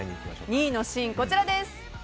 ２位のシーン、こちらです。